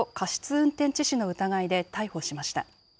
運転致死の疑いで逮捕しました。